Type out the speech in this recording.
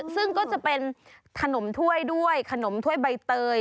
ซึ่งก็จะเป็นขนมถ้วยด้วยขนมถ้วยใบเตย